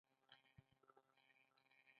هغه وایي چې د بل مرسته کول ثواب لری